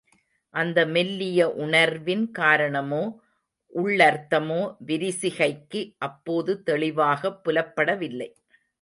அந்த மெல்லிய உணர்வின் காரணமோ, உள்ளர்த்தமோ விரிசிகைக்கு அப்போது தெளிவாகப் புலப்படவில்லை.